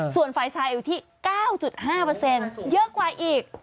ส่วนฝ่ายชายอยู่ที่๙๕เยอะกว่าอีก